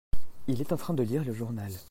il est en train de lire le journal.